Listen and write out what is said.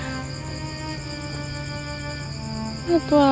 aku merindukan alim